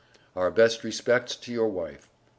Our best respects to your wife.